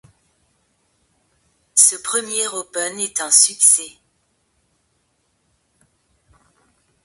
Ce premier Open est un succès.